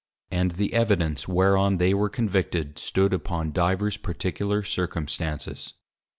And the Evidence whereon they were Convicted, stood upon divers particular Circumstances.